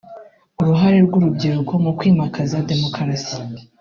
”Uruhare rw’Urubyiruko mu Kwimakaza Demokarasi”